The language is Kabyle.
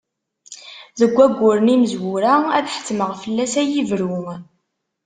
Deg wagguren imezwura ad ḥettmeɣ fell-as ad iyi-yebru.